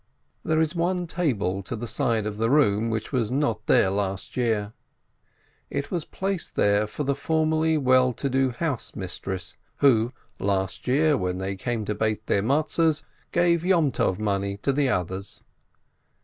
There is one table to the side of the room which was not there last year ; it was placed there for the formerly well to do housemistresses, who last year, when they came to bake their Matzes, gave Yom tov money to the others.